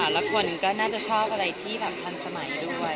แล้วคนก็น่าจะชอบอะไรที่แบบทันสมัยด้วย